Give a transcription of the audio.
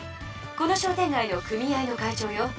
この商店がいの組合の会長よ。